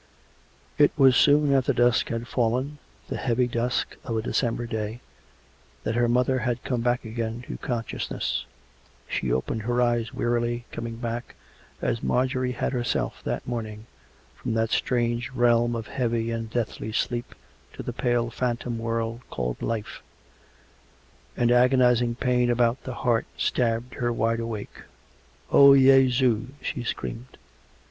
It was soon after dusk had fallen — the heavy dusk of a December day — that her mother had come back again to consciousness. She opened her eyes wearily, coming back, as Marjorie had herself that morning, from that strange realm of heavy and deathly sleep, to the pale phantom world called " life "; and agonising pain about the heart stabbed her wide awake. " O Jesu !" she screamed.